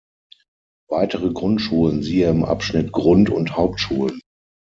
Weitere Grundschulen siehe im Abschnitt Grund- und Hauptschulen.